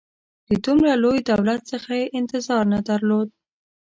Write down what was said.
د دومره لوی دولت څخه یې انتظار نه درلود.